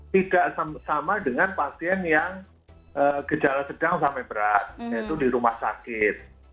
tidak sama dengan pasien yang gejala sedang sampai berat yaitu di rumah sakit